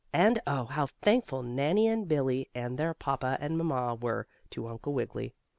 And, oh! how thankful Nannie and Billie and their papa and mamma were to Uncle Wiggily.